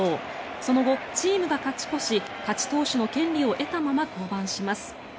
その後、チームが勝ち越し勝ち投手の権利を得たまま降板します。